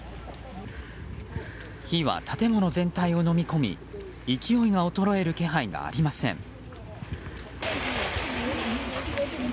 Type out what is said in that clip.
火は建物全体をのみ込み勢いが衰える気配がありません。